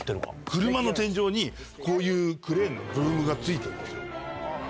車の天井にこういうクレーンのブームが付いてるんですよ。